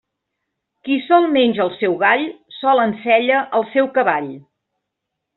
Qui sol menja el seu gall, sol ensella el seu cavall.